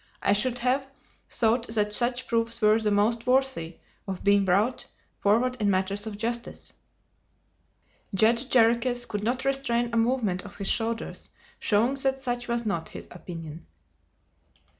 I should have thought that such proofs were those most worthy of being brought forward in matters of justice." Judge Jarriquez could not restrain a movement of his shoulders, showing that such was not his opinion.